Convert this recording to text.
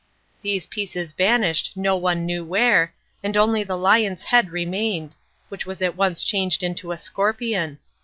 These pieces vanished no one knew where, and only the lion's head remained, which was at once changed into a scorpion.